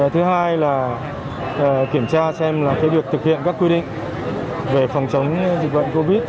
thứ hai là kiểm tra xem là việc thực hiện các quy định về phòng chống dịch bệnh covid